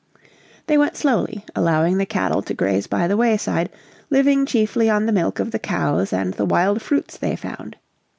They went slowly, allowing the cattle to graze by the wayside, living chiefly on the milk of the cows and the wild fruits they found.